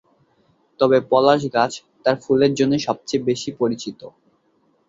তবে পলাশ গাছ তার ফুলের জন্যই সবচেয়ে বেশি পরিচিত।